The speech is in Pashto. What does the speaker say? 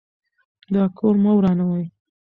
دا کور مه ورانوئ.